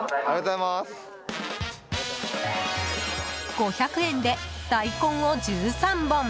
５００円で大根を１３本。